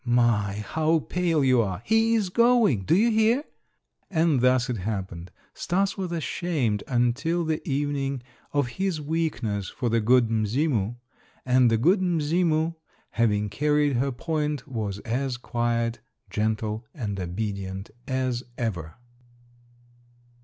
My, how pale you are! He is going! Do you hear?" And thus it happened. Stas was ashamed until the evening of his weakness for the "Good Mzimu," and the "Good Mzimu" having carried her point, was as quiet, gentle, and obedient as ever.